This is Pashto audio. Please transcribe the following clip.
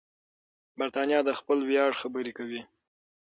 برتانیه د خپل ویاړ خبرې کوي.